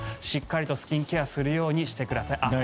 しっかりとスキンケアするようにしてください。